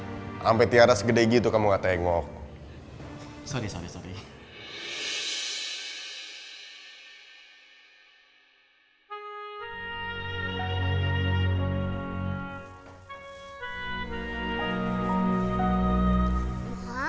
tuh sampai tiara segede gitu kamu gak tengok sorry sorry sorry